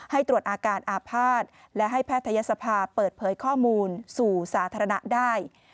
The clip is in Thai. ให้ตรวจอาการอาภาษณ์และให้แพทยศภาเปิดเผยข้อมูลสู่สาธารณะได้